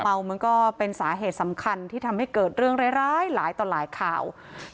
เมามันก็เป็นสาเหตุสำคัญที่ทำให้เกิดเรื่องร้ายหลายต่อหลายข่าว